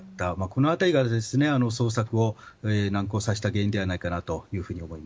この辺りが捜索を難航させた原因ではないかな